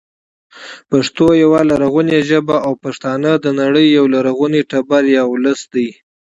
پښتو يوه لرغونې ژبه او پښتانه د نړۍ یو لرغونی تبر یا ولس دی